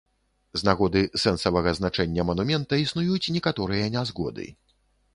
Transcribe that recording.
З нагоды сэнсавага значэння манумента існуюць некаторыя нязгоды.